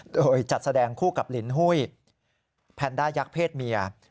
โดยจัดแสดงคู่กับลินหุ้ยแพนด้ายักษ์เพศเมีย